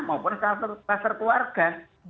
maupun kelas terkeluarga